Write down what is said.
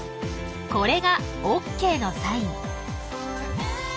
これがＯＫのサイン。